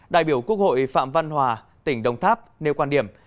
đại biểu quốc hội phạm văn hòa tỉnh đồng tháp nêu quan điểm